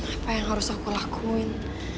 apa yang harus aku lakuin